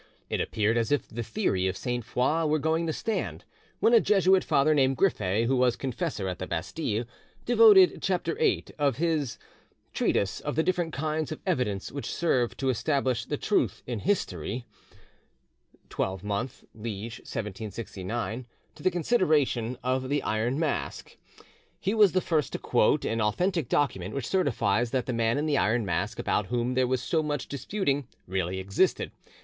It appeared as if the theory of Sainte Foix were going to stand, when a Jesuit father, named Griffet, who was confessor at the Bastille, devoted chapter xiii, of his 'Traite des differentes Sortes de Preuves qui servent a etablir la Verite dans l'Histoire' (12mo, Liege, 1769) to the consideration of the Iron Mask. He was the first to quote an authentic document which certifies that the Man in the Iron Mask about whom there was so much disputing really existed.